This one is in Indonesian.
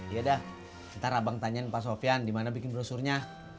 ya dah ntar abang tanyain pak sofian dimana bikin brosurnya